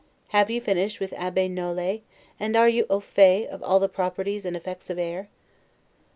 Have you finished with Abbe Nolet, and are you 'au fait' of all the properties and effects of air?